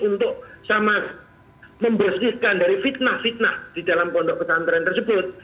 untuk sama membersihkan dari fitnah fitnah di dalam pondok pesantren tersebut